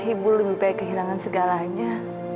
ibu lebih baik kehilangan segalanya